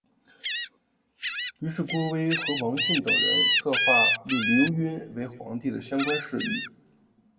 于是郭威和王峻等人策划立刘赟为皇帝的相关事宜。